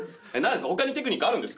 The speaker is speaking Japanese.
他にテクニックあるんですか？